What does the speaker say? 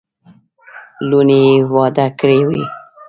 لوڼي یې واده کړې وې.